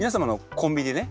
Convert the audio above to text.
コンビニでね